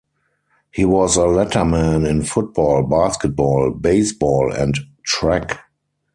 He was a letterman in football, basketball, baseball, and track.